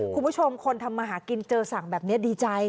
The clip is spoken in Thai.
คุณผู้ชมคนทำมาหากินเจอสั่งแบบนี้ดีใจ